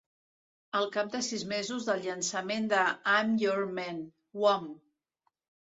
Al cap de sis mesos del llançament de "I'm Your Man", Wham!